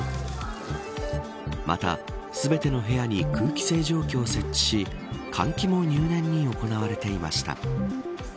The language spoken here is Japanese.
また、全ての部屋に空気清浄機を設置し換気も入念に行われていました。